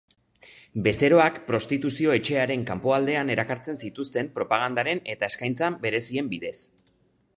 Bezeroak prostituzio-etxearen kanpoaldean erakartzen zituzten propagandaren eta eskaintza berezien bidez.